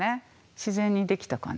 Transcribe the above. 自然にできた感じ？